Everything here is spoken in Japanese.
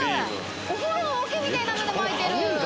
お風呂の桶みたいなのでまいてる。